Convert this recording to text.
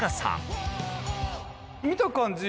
見た感じ